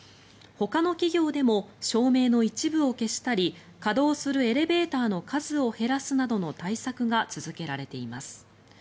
ほかの企業でも照明の一部を消したり稼働するエレベーターの数を減らすなどの対策が続けられています。